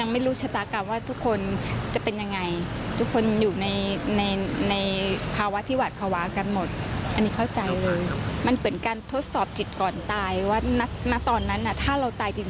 มันเหมือนการทดสอบจิตก่อนตายว่าณตอนนั้นถ้าเราตายจริง